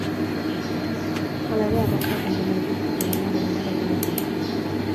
Hala ere, arazoak konpondu dituzte eta dena bere onera etorri da metroan.